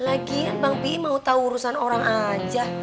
lagian bang pi'i mau tahu urusan orang aja